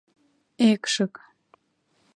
Экшык...